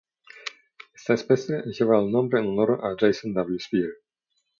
Esta especie lleva el nombre en honor a Jason W. Speer.